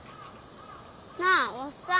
なあおっさん